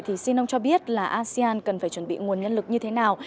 thì xin ông cho biết là asean cần phải chuẩn bị nguồn nhân lực như thế nào